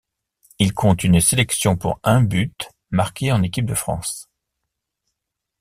Il compte une sélection pour un but marqué en équipe de France.